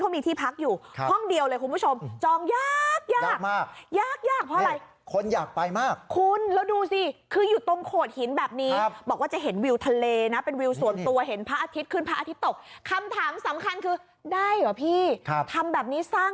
มุมนี้ไม่เท่าไหร่นะคุณ